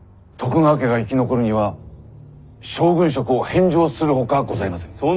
徳川家が生き残るには将軍職を返上するほかございません。